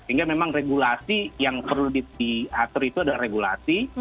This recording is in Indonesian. sehingga memang regulasi yang perlu diatur itu adalah regulasi